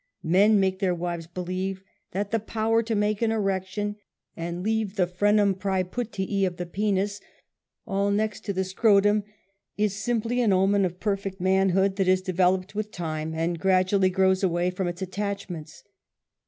Men make their wives believe ''the power to make an erection and leave the franum ^0 UNMASKED. praeputii of the penis all next to the scrotum, is simply an omen of perfect manhood that is develop ed with time, and gradually grows away from its attachments.